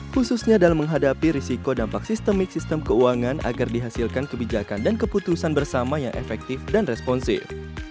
khususnya dalam menghadapi risiko dampak sistemik sistem keuangan agar dihasilkan kebijakan dan keputusan bersama yang efektif dan responsif